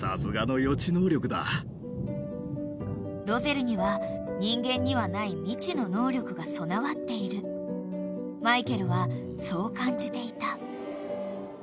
［ロゼルには人間にはない未知の能力が備わっているマイケルはそう感じていた］